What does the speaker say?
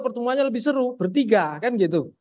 pertemuannya lebih seru bertiga kan gitu